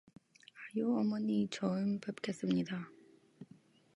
아유 어머니 처음 뵙겠습니다